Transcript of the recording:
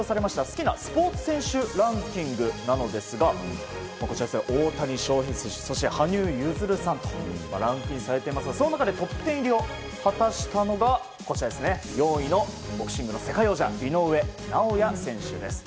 好きなスポーツ選手ランキングなんですがこちら大谷翔平選手そして、羽生結弦さんとランクインされていますがその中でトップ１０入りを果たしたのが４位のボクシング世界王者井上尚弥選手です。